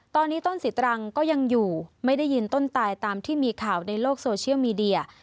ตอนนี้ต้นสีตรังก็ยังอยู่ไม่ได้ยินต้นตายตามที่มีข่าวในโลกโซเชียลมีเดีย